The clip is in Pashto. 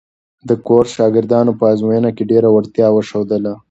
د کورس شاګردانو په ازموینو کې ډېره وړتیا وښودله.